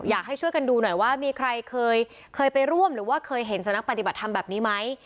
อยากให้ช่วยกันดูหน่อยว่ามีใครเคยไปร่วมหรือว่าเคยเห็นสำนักปฏิบัติธรรมแบบนี้ไหม